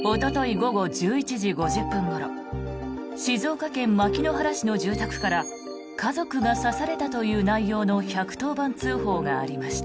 午後１１時５０分ごろ静岡県牧之原市の住宅から家族が刺されたという内容の１１０番通報がありました。